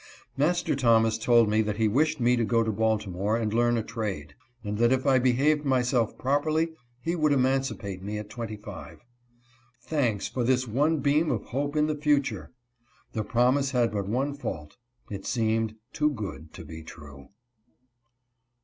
Master Thomas told me that he wished me to go to Baltimore and learn a trade ; and that if I behaved myself properly he would emancipate me at twenty jive. Thanks for this one beam of hope in the future ! The promise had but one fault — it seemed too good to be true.